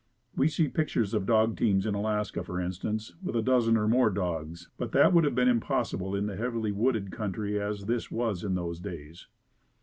We see pictures of dog teams in Alaska, for instance, with a dozen or more dogs, but that would have been impossible in a heavily wooded country as this was in those days.